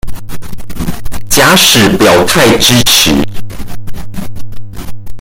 假使表態支持